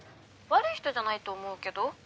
☎悪い人じゃないと思うけど。